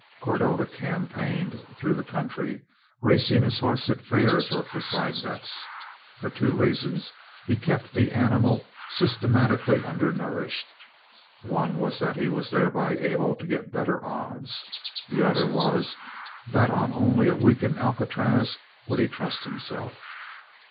Cordova campaigned through the country, racing his horse at fairs or for side bets. For two reasons he kept the animal systematically undernourished: one was that he was thereby able to get better odds; the other was that only on a weakened Alcatraz would he trust himself.